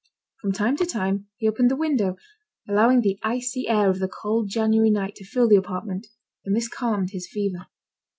From time to time, he opened the window, allowing the icy air of the cold January night to fill the apartment, and this calmed his fever.